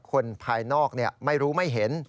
คนภายนอกไม่รู้ไม่เห็น